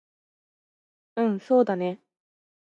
うんそうだね